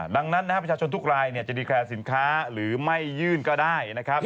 ดังนั้นประชาชนทุกรายจะดีแคร์สินค้าหรือไม่ยื่นก็ได้